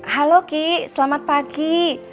halo kiki selamat pagi